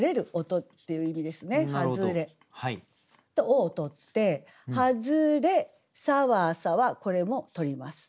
「を」を取って「葉擦れさわさわ」。これも取ります。